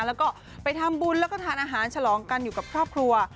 แล้วก็ไปทำบุญแล้วก็ทานอาหารฉลองกันอยู่กับครอบครัว